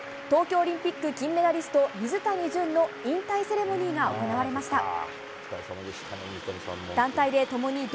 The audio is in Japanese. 東京オリンピック金メダリスト水谷隼の引退セレモニーが行われました。